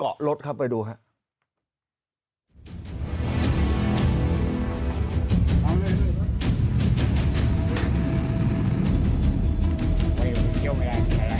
โอ้ยเกี่ยวกันแหละ